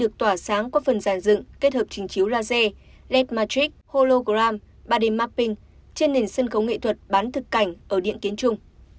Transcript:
chiếu laser led matrix hologram ba d mapping trên nền sân khấu nghệ thuật bán thực cảnh ở điện kiến trung